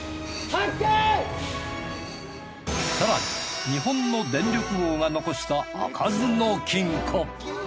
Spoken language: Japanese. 更に日本の電力王が残した開かずの金庫！